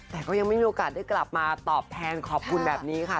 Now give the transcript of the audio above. แต่ก็ยังไม่มีโอกาสได้กลับมาตอบแทนขอบคุณแบบนี้ค่ะ